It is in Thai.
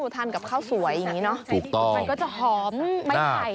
ทานกับข้าวสวยอย่างนี้เนอะถูกต้องมันก็จะหอมไม่ไผ่